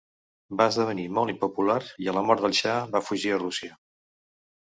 Va esdevenir molt impopular i a la mort del xa va fugir a Rússia.